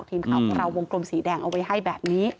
ทีมข่าวของเราวงกลมสีแดงเอาไว้ให้แบบนี้